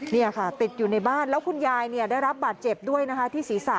นี่ค่ะติดอยู่ในบ้านแล้วคุณยายได้รับบาดเจ็บด้วยนะคะที่ศีรษะ